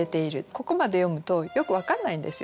ここまで読むとよく分かんないんですよね。